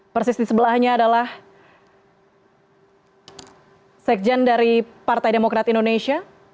persis di sebelahnya adalah sekjen dari partai demokrat indonesia